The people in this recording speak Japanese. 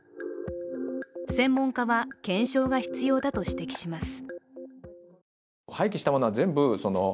専門家は検証が必要だと指摘します。